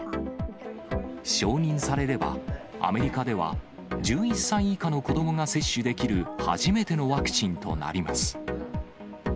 承認されれば、アメリカでは１１歳以下の子どもが接種できる初めてのワクチンとなります。